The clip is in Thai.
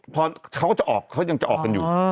พอเขาก็จะออกเขายังจะออกกันอยู่